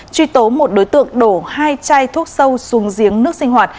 truy tố một đối tượng đổ hai chai thuốc sâu xuống giếng nước sinh hoạt